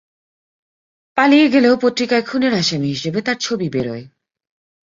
পালিয়ে গেলেও পত্রিকায় খুনের আসামী হিসেবে তার ছবি বেরোয়।